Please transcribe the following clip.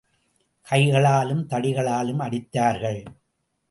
கைகளாலும் தடிகளாலும் அடித்தார்கள்.